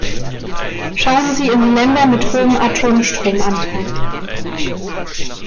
Schauen Sie in die Länder mit hohem Atomstromanteil.